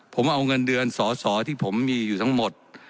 ผมเอาเงินเดือนสอสอที่ผมมีอยู่ทั้งหมด